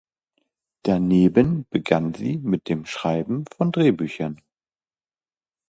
Daneben begann sie mit dem Schreiben von Drehbüchern.